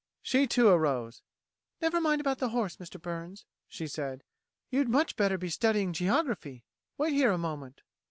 She, too, arose. "Never mind about the horse, Mr. Burns," she said. "You'd much better be studying geography! Wait here a moment."